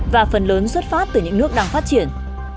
và phần lớn xuất phát từ những nước đang phát triển